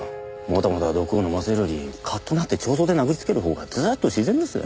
もたもた毒を飲ませるよりカッとなって彫像で殴りつける方がずっと自然です。